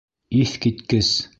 Иҫ киткес!